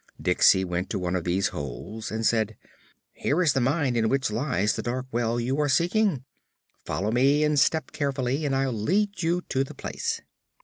Diksey went to one of these holes and said: "Here is the mine in which lies the dark well you are seeking. Follow me and step carefully and I'll lead you to the place."